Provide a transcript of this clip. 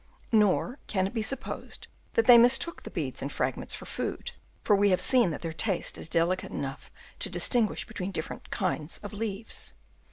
Nor can it be supposed that they mistook the beads and fragments for food ; for we have seen that their taste is delicate enough to distinguish between dif ferent kinds of leaves.